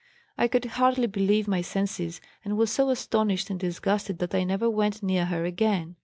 I could hardly believe my senses and was so astonished and disgusted that I never went near her again.